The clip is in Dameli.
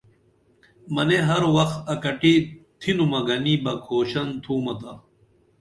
منے ہر وخ اکٹی تِھنُمہ گنی بہ کھوشن تُھمتا